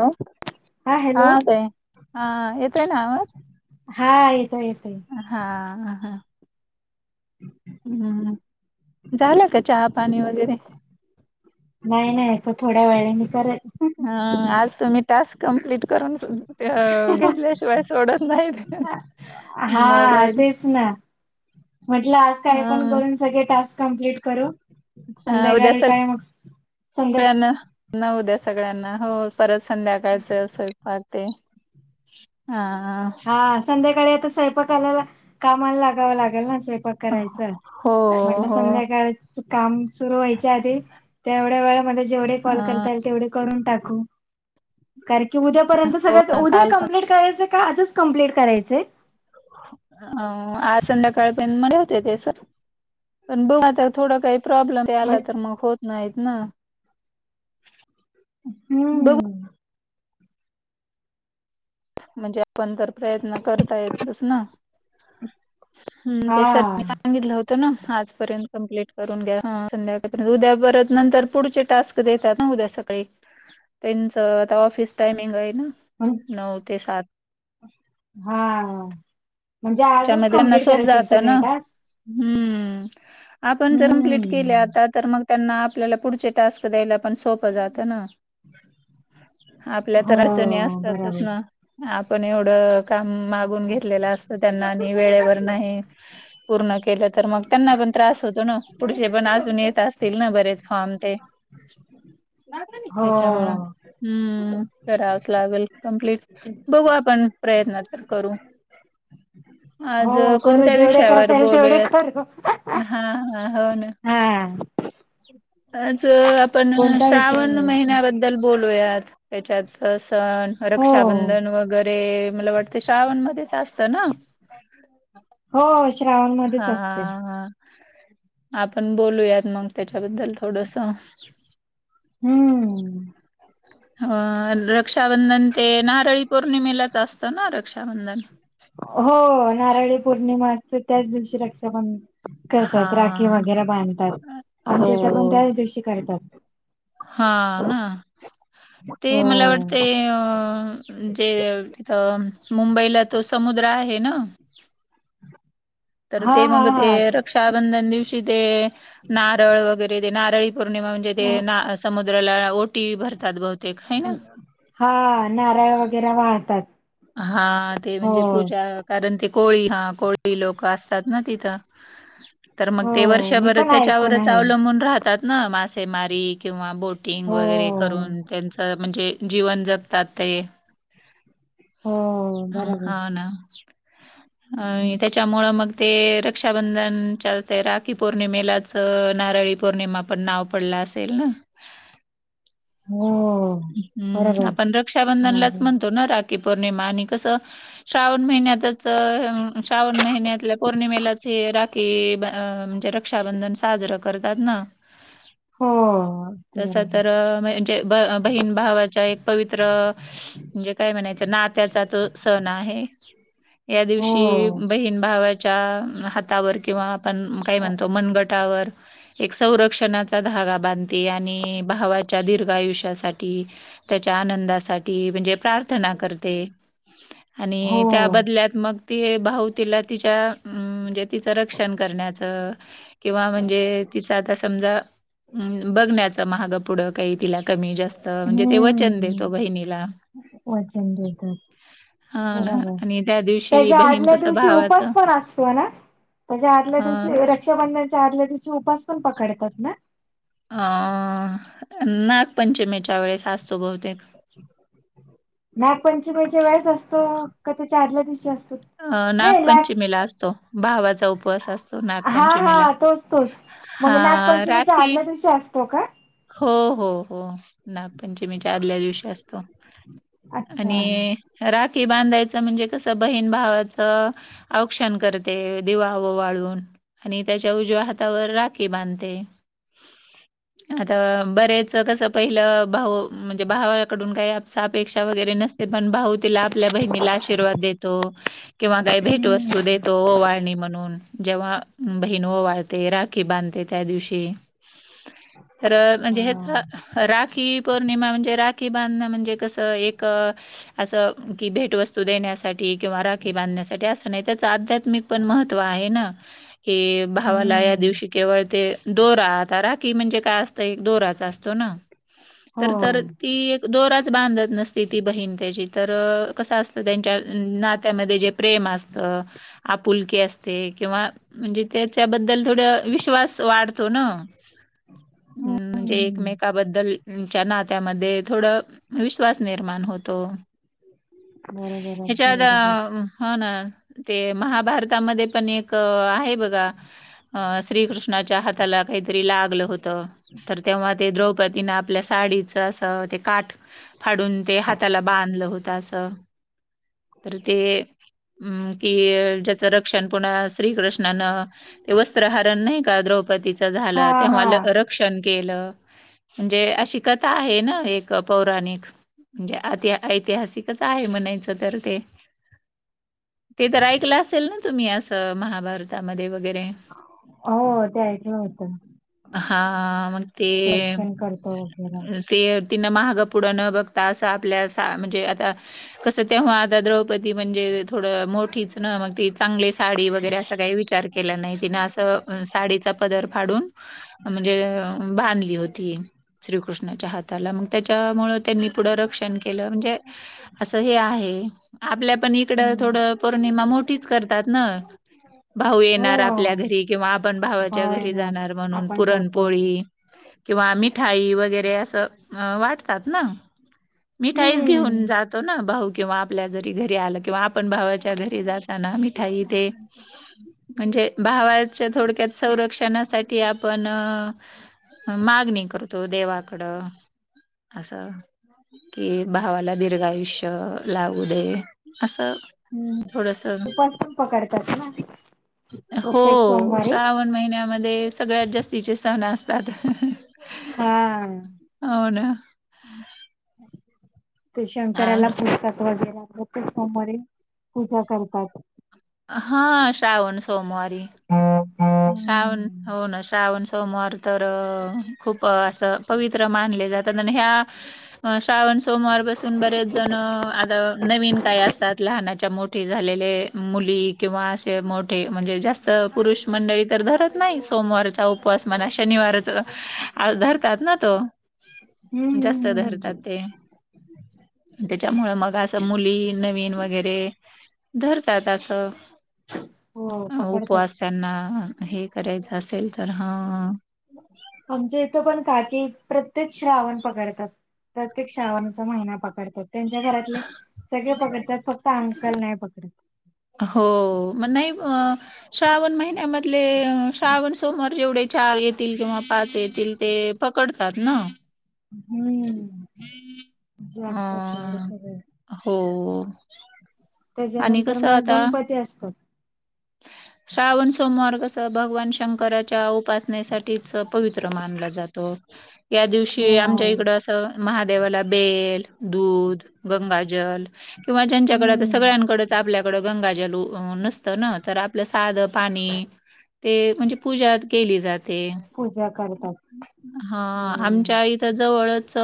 Hello हा काय हा येतो आहे ना आवाज हा येत येतय हा हा हम्म झालं का चहा पाणी वगैरे नाही नाही तर थोड्या वेळेनी कच हा आज तुम्ही टास्क कम्प्लीट करून ते घेतल्याशिवाय सोडत नाही मग हा तेच ना म्हटलं आज काय ह पण करून सगळे टास्क कमप्लीट करू हा उद्या संध्याकाळी काय मग संध्या नऊ द्या सगळ्यांना हो परत संध्याकाळच असोय पाहते हा हा संध्याकाळी आता स्वयपाक आल्याला कामाला लागावं लागेल ना स्वंपाक करायच हो म्हट हो संध्याकाळ काम सुरू व्हायच्या आधी तेवढ्या वेळा मध्ये जेवढे कॉल अ करता येल तेवढे ून टाक कारण क उद्यापर्य सळ उद्या काल पण कप्ट करायच कम्प्लीट करायचं हो आज संध्याकाळपय मध्ये होते ते सर पण बघ आता थोडा काही प्रॉब्लेम आला तर मग होत नाहीत ना बघ हम्म म्हणजे आपण तर प्रयत्न करता येतस ना हम्म ते सर मी हा सांगितलं होत आजपर्यंत कंप्लीट करून घ्या संध्याकाळ उद्या परत नंतर पुढचे टास्क देतात ना उद्या त्यांच आता ऑफिस टायमिंग आहे ना नऊ ते सात हा म्हणजे आजच त्याच्यामध्ये त्यांना कमप्लीट सोप करायचे जात सगळे ना टास् हम्म आपण जर कप्लीट केले हम्म. आता तर मग त्यांना आपल्याला पुढचे टास्क द्यायला पण सोपं जातं ना ब आपल्या तर अडचणी असतातच बराबर ना आपण एवढं काम मागून घेतलेलं असतं त्यांना आणि वेळेवर नाही पूर्ण केलं तर मग त्यांना पण त्रास होतो ना पुढचे पण अजून येत असतील ना बरेच फॉम ते [inaudible] निघ त्याच्यामु हो. हम्म करावच लागेल कम्प्लीट बघू आपण प्रयत्न तर करू आज हो करू कोणत्या जेवढे विषयावर करता येईल तेवढे बोलूयात करू. हा हो ना हा आज आपण कोणता विषय श्रावण घ्यायचा? महिन्या बद्दल बूया त्याच्यात सण हो रक्षाबंधन वगैरे मला वाटत श्रावण मच असत ना हो श्रावणमध्येच हा असते हा. आपण बोलूयात मग त्याच्याबद्दल थोडस हम्म अ रक्षाबंधन ते नारळी पौर्णिमेलाच असतं ना रक्षाबंधन हो नारळी पौर्णिमा असते त्याच दिवशी रक्षाबंध हा. करतात राखी वगैरे बांधतात हो आणि जथ पण त्याच दिवशी करतात हा ना ते मला हो वाटते अ जे तिथं मुंबईला तो समुद्र आहे ना तर हा ते हा मग ते हा. रक्षाबंधन दिवशी ते नारळ वगैरे ते नारळी पौर्णिमा म्हणजे ते समुद्राला ओटी भरतात बहुत हा नारळ वगैरे वाहतात हा ते म्हणजे हो. पूजा कारण ते कोळी हा कोळी लोक असतात ना तिथं तर मग ते हो मी वर्षभर पण ऐकून त्याच्यावरच आहे अवलंबून राहतात न मासेमारी किंवा बोटिंग हो वगैरे करून त्यांचं म्हणजे जीवन जगतात ते हो ह होा ना हम् अ त्याच्यामुळं मग ते रक्षाबंधनच्या राखी पौर्णिमेलाच तर नारळी पौर्णिमा पण नाव पडला असेल ना हो हम्म बरोबर आपण रक्षाबंधनलाच बरोबर म्हणतो ना की पौर्णिमा आणि कस श्रावण महिन्यातच श्रावण महिन्यातल्या पौर्णिमेलाचे रा कि म्हणजे रक्षाबंधन साजरं करतात ना हो अगदी तस बरोबर तर म्हणजे बहीण भावाच्या एक पवित्र म्हणजे काय म्हणायचं नात्याचा तो सण आहे या हो दिवशी बहीण भावा हातावर किंवा आपण काय अ, म्हणतो मनगटावर एक संरक्षणाचा धागा बांधते आणि भावाच्या दीर्घ आयुष्यासाठी त्याच्या आनंदासाठी म्हणजे प्रार्थना करते हो आणि त्या बदल्यात मग ति भाऊ तिला तिच्या अम म्हणजे तिचं रक्षण करण्याचं किंवा म्हणजे तिचं आता समजा ् बघण्याच महाग पुढं काही तिला कमी जास्त म्हणजे ते वचन देतो हम्म बहिणीला वचन देतात हा ना बरोबर आणि त्या दिवशी त्याच्या बहीण आदल्या कस भावाच म्हणजे आदल्या दिवशी रक्षाबंधनच्या आदल्या दिवशी उपास पण पकडतात ना अ नागपंचमीच्या वेळेस असतो बहुतेक नागपंचमीच्या वेळेस असतो का ते च आदल्या दिवशी असतो अं नाही लाग नागपंचमीला असतो भावाचा उपवास असतो हा नागपंचमीला हा तोच तोच मग हां, नागपंचमीच्या राखी आदल्या दिवशी असतो का हो हो हो नागपंचमीच्या आदल्या दिवशी असतो अच्छा आणि राखी बांधायचं म्हणजे कसं बहीण भावाचं औक्षण करते दिवा व वाळून आणि त्याच्या उजव्या हातावर राखी बांधते आता बरेच कसं पहिलं भाऊ म्हणजे भावाकडून काय अपेक्षा वगैरे नसते ते पण भाऊ तिला आपल्या बहिणीला आशीर्वाद देतो किंवा काही भेटवस्तू हम्म देतो ओवळणी म्हणून जेव्हा बहीण ओ वाळते राखी बांधते त्या दिवशी तर म्हणजे हेच हा राखी पौर्णिमा म्हणजे राखी बांधणं म्हणजे कसं एक असं की भेटवस्तू देण्यासाठी किंवा राखी बांधण्यासाठी असं नाही त्याच अध्या िक पण महत्त्व आहे ना हे भावाला या हम्म दिवशी केवळ ते दोरा आता राखी म्हणजे काय असतं एक दोराचा असतो ना हो तर तर ती एक दोराच बांधत नसती ती बहीण त्याची तर कसं असत त्यांच्या नात्यामध्ये जे प्रेम अस असतं आपुलकीे असते किंवा म्हणजे त्याच्याबद्दल थोड विश्वास वाढतो ना हम्म म्हणजे एकमेक बद्दलच्या नात्यामध्ये थोड विश्वास निर्माण होतो बरोबर ह्याच्या अगदी बरोबर होा ना ते महाभारतामध्ये पण एक आहे बघा श्रीकृष्णाच्या हाताला काहीतरी लागलं होत तर तेव्हा ते द्रौपदीने आपल्या साडीचं असं ते काठ फाडून ते हाताला बांधलं होत असं तर ते अम् कि ज्याचं रक्षण पुन्हा श्रीकृष्णानं ते वस्त्रहारण नाही का द्रौपदीचं हा झालं हा तेव्हा रक्षण केलं म्हणजे अशी कथा आहे ना एक पौराणिक म्हणजे अति ऐतिहासिकच आहे म्हणायचं तर ते ते तर ऐकलं असेल ना तुम्ही असं महाभारतामध्ये वगैरे हो ते ऐकलं होतं हा मग ते रक्षण करतो वगैरे हम्म ते तिनं महागं पुढं न बघता असं आपल्या सा म्हणजे आता कसं तेव्हा आता द्रौपदी म्हणजे थोडं मोठीच मग ती चांगली साडी वगैरे असं काही विचार केला नाही तिनं असं साडीचा पदर फाडून. [unintelligible] म्हणजे बांधली होती. श्रीकृष्णाच्या हाताला मग त्याच्यामुं त्यांनी पुढं रक्षण केलं म्हणजे. असं हे आहे आपल्या पण इकडं थोडं पौर्णिमा मोठीच करतात ना. भाऊ हो येणार आपल्या घरी किंवा आपण भावाच्या भाव आहे घरी ना जाणार म्हणून. आपण जातो पुरणपोळी किंवा मिठाई वगैरे असं वाटतात ना. मिठाईच घेऊन हम्म जात. ना भाऊ किंवा आपल्या जरी घरी आलं किंवा आपण भावाच्या घरी जाताना मिठाई ते. म्हणजे भावाच्या थोडक्यात संरक्षणासाठी आपण. मागणी करतो देवाकडं असं. कि भावाला दीर्घ आयुष्य लावू दे असं. हम्म थोडंसं उपास पण पकडतात ना. हो प्रत्येक सोमवारी श्रावण महिन्यामध्ये सगळ्यात जास्तीचे सण असतात. हा. हो ना ते शंकराला अ पुतक वगैर प्रत्येक समोरे पूजा करतात. हा श्रावण सोमवारी. हम्म श्रावण हम्म हो ना श्रावण सोमवार तर. खूप असं पवित्र मानले जातात आणि ह्या श्रावण सोमवार पासून बरेच. जण आता नवीन काही असतात लहानाच्या मोठी झालेले मुली. किंवा असे मोठे म्हणजे जास्त पुरुष. मंडळी तर धरत नाही सोमवारचा उपवास म्हणा शनिवाराचा. आ धरतात ना तो जास्त हम्म धरतात ते. त्याच्यामुळे मग असं मुली नवीन वगैरे. धरतातं असं. हो पकडतात उपवास त्यांना हे करायचं असेल तर हा. आमच्या इथं पण काकी प्रत्येक श्रावण पकडतात. प्रत्येक श्रावणाचा महिना पकडतात. त्यांच्या घरातले सगळे पकडतात फक्त अंकल नाही पकडत. हो मग नाही अ श्रावण महिन्यामधले श्रावण सोमवार जेवढे चार येतील किंवा पाच येतील ते. पकडतात ना. हम्म जास्तात तेवढ अ सगळे. हो. आणि त्याच्यानंतर कसं मग आता गणपती असतो. श्रावण सोमवार कस? तर भगवान शंकराच्या उपासनेसाठीच पवित्र मानला जातो. या हो दिवशी आमच्या हो इकड असं महादेवाला बेल दूध गंगाजल. किंवा ज्यांच्याकडे आ हम्म सगळ्यांकडेच आपल्याकडं गंगाजलू नसतं ना. तर आपलं साध पाणी ते म्हणजे पूजा केली जाते. पूजा करतात हा हो आमच्या इथ जवळच.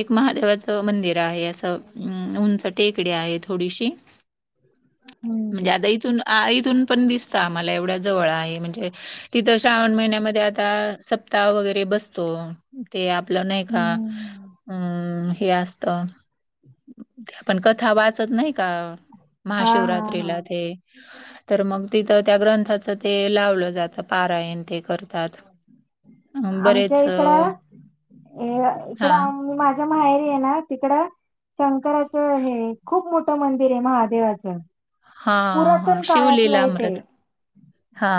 एक महादेवाचं मंदिर आहे असं अ उंच टेकडी आहे थोडीशी. ह म्हणजे आता इथून इथून पण दिसत आम्हाला एवढ्या जवळ आहे म्हणजे. तिथं श्रावण महिन्यामध्ये आता सप्ताह वगैरे बसतो ते. आपलं नाही का हम्म अम हे असत. आपण कथा वाचत नाही का हा हा हा महाशिवरात्रीला ते. [inaudible] तर मग तिथं त्या ग्रंथाचं ते लावलं जातं पारायण ते करतात. अं, आमच्या बरेच अ, इकडं इकड हां, आम माझ्या माहेरी आहे ना तिकडं. शंकराचं हे खूप मोठ मंदिर आहे महादेवाचं हां, हां. पुरातन काळातलं आहे ते शिवलीलामृत.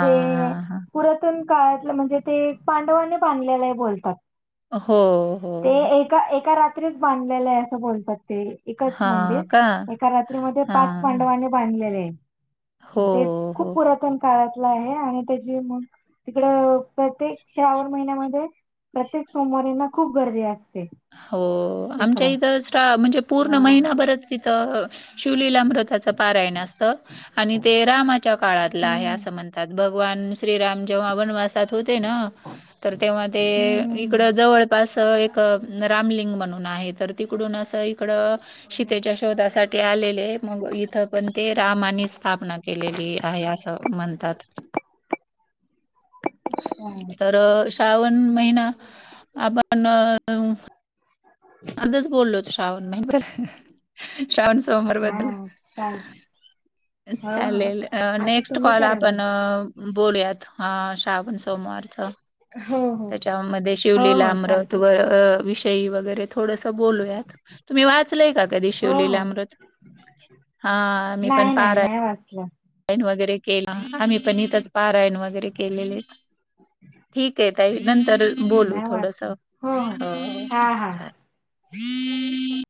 ते हां, हां. पुरातन काळातलं म्हणजे ते पांडवांनी बांधलेल आहे बोलतात हो. हो, ते हो. एका एका रात्रीच बांधलेलं आहे असं बोलतात ते एकच मंदिर, हां का? एका रात्रीमध्ये पाच हां. पांडवाांनी बांधलेले हो, आहे ते खूप हो. पुरातन काळातलं आहे आणि त्याची मग तिकड प्रत्येक श्रावण महिन्यामध्ये प्रत्येक सोमवारीना खूप गर्दी असते. हो, आमच्या तिकडं. इथं म्हणजे पूर्ण हा. महिनाभरच तिथं शिवलीला अमृताच पारायण असत आणि ते रामाच्या काळातलं आहे हम्म असं म्हणतात बघ भगवान श्रीराम जेव्हा वनवासात होते ना तर तेव्हा हम्म ते इकड हम्म जवळपास एक रामलिंग म्हणून आहे तर तिकडून अस इकड सीतेच्या शोधासाठी आलेले मग इथं पण ते रामाने स्थापना केलेली आहे अस म्हनतात अच्छा. तर श्रावण महिना आपण अर्धच बोललो श्रावण महिना श्रावण सोमवार बद्दल हा चालेल हो हो. चालेल आता नेक्स्ट तुम्ही कॉल करा आपण मग बोलूयात हा श्रावण सोमवार चा हो हो त्याच्यामध्ये हो शिवलीला हो अमृत चालते व विषयी वगैरे थोडस बोलूयात तुम्ही वाचलय का कधी हो शिवलीला हो. अमृत हा मी पण नाही नाही पाराय नाही वाचलं. यण वगैरे केल. आम्ही पण इथंच पारायण वगैरे केलेले ठीक आहे ताई नंतर मी बोलू नाही थोडस वाचला हो हो हा हा चालेल हम्म